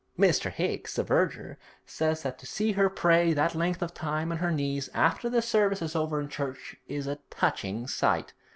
Mr. Higgs, the verger, says that to see her pray that length of time on her knees after the service is over in church is a touching sight.'